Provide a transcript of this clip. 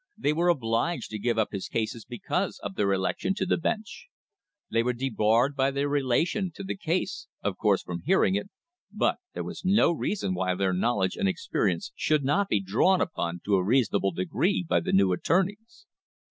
They were obliged to give up his cases because of their election to the bench. They were debarred by their relation to the case, of course, from hearing it, but there was no reason why their knowledge and experience should not be drawn upon to a reasonable degree by the new attorneys.